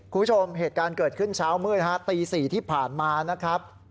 คุณผู้ชมเหตุการณ์เกิดขึ้นเช้ามืดฮะตี๔ที่ผ่านมานะครับ